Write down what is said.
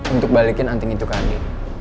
untuk balikin anting itu ke anin